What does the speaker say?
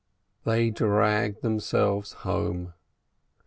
They dragged themselves home.